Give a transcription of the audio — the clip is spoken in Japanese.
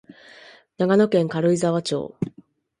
長野県軽井沢町